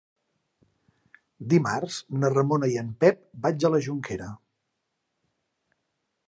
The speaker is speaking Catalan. Dimarts na Ramona i en Pep vaig a la Jonquera.